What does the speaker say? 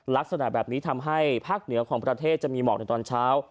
ลักษณะแบบนี้ทำให้ภาคเหนือของประเทศจะมีหมอกในตอนเช้า